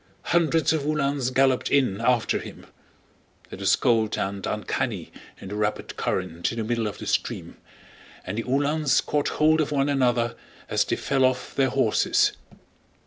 Hundreds of Uhlans galloped in after him. It was cold and uncanny in the rapid current in the middle of the stream, and the Uhlans caught hold of one another as they fell off their horses.